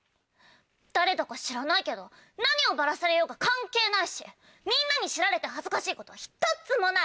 誰だか知らないけど何をバラされようが関係ないしみんなに知られて恥ずかしいことは１つもない！